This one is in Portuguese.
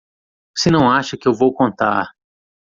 Você não acha que eu vou contar!